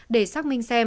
để xác minh sản phẩm